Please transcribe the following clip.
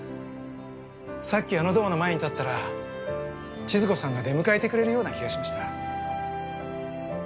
さっきあのドアの前に立ったら千鶴子さんが出迎えてくれるような気がしました。